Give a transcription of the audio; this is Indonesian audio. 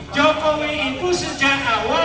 saya ini bukan ini